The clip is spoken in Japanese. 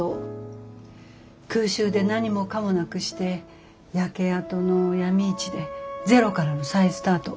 空襲で何もかもなくして焼け跡の闇市でゼロからの再スタート。